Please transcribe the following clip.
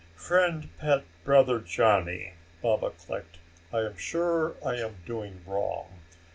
"Friend pet brother Johnny," Baba clicked, "I am sure I am doing wrong.